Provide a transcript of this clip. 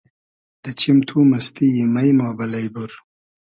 دۂ چیم تو مئستی یی مݷ ما بئلݷ بور